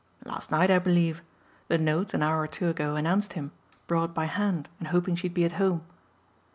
"Last night, I believe. The note, an hour or two ago, announced him brought by hand and hoping she'd be at home."